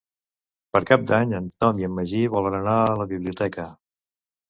Per Cap d'Any en Tom i en Magí volen anar a la biblioteca.